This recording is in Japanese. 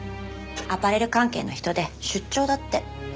アパレル関係の人で出張だって。